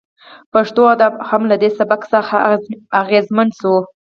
پښتو ادب هم له دې سبک څخه اغیزمن شو